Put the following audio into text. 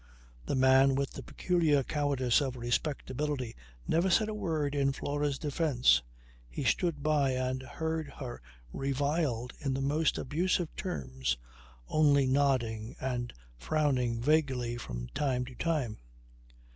The man with the peculiar cowardice of respectability never said a word in Flora's defence. He stood by and heard her reviled in the most abusive terms, only nodding and frowning vaguely from time to time.